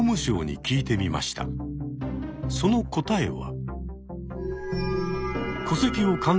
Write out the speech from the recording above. その答えは。